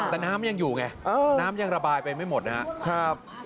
แต่น้ำยังอยู่ไงน้ำยังระบายไปไม่หมดนะครับ